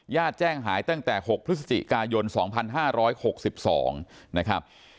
ญาติแจ้งหายตั้งแต่หกพฤศจิกายนสองพันห้าร้อยหกสิบสองนะครับ